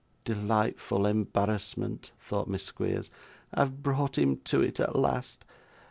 'Delightful embarrassment,' thought Miss Squeers, 'I have brought him to it, at last.